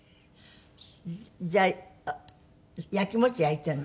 じゃあやきもち焼いているの？